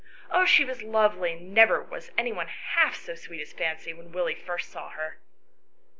Oh, she was lovely, and never was any one half so sweet as Fancy when Willie first saw her.